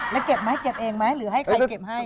แล้วเก็บไหมเก็บเองไหมหรือให้ใครเก็บให้